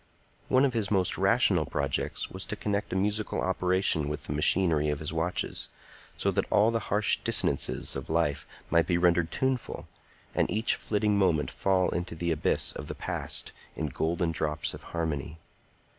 One of his most rational projects was to connect a musical operation with the machinery of his watches, so that all the harsh dissonances of life might be rendered tuneful, and each flitting moment fall into the abyss of the past in golden drops of harmony.